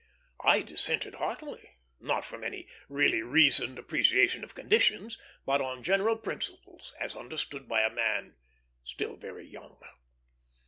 I dissented heartily; not from any really reasoned appreciation of conditions, but on general principles, as understood by a man still very young.